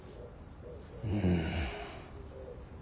うん。